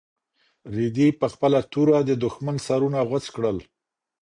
رېدي په خپله توره د دښمن سرونه غوڅ کړل.